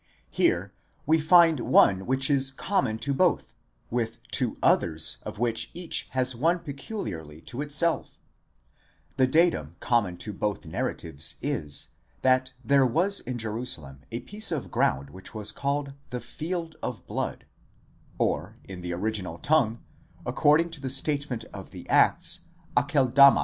Here we find one which is common to both, with two others of which each has one peculiarly to itself' The datum common to both narratives is, that there was in Jerusalem a piece of ground which was called the field of blood, ἀγρὸς or χωρίον αἵματος, or in the original tongue, ac cording to the statement of the Acts, ἀκελδαμὰ.